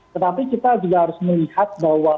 tetapi kita juga harus melihat bahwa